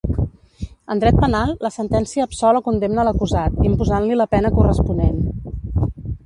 En dret penal, la sentència absol o condemna l'acusat, imposant-li la pena corresponent.